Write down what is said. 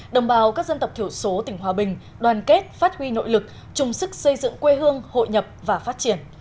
đồng bào các dân tộc thiểu số tỉnh hòa bình đoàn kết phát huy nội lực chung sức xây dựng quê hương hội nhập và phát triển